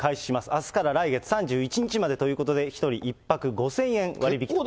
あすから来月３１日までということで、１人１泊５０００円割引と。